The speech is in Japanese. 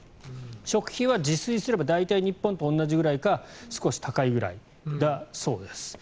食費は自炊すれば大体、日本と同じぐらいか少し高いくらいだそうです。